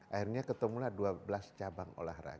akhirnya ketemulah dua belas cabang olahraga